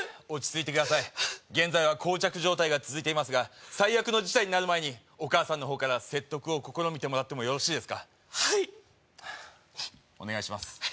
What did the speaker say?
落ち着いてください現在は膠着状態が続いていますが最悪の事態になる前にお母さんの方から説得を試みてもらってもよろしいですかはいお願いします